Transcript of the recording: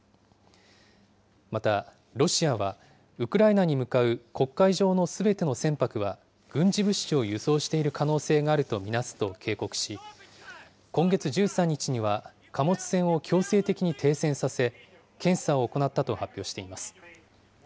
また、ロシアはウクライナに向かう黒海上のすべての船舶は軍事物資を輸送している可能性があるとみなすと警告し、今月１３日には貨物船を強制的に停船させ、検査を行ったと発表しています。